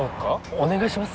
お願いします